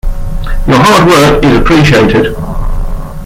Your hard work is appreciated.